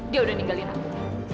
dia udah ninggalin aku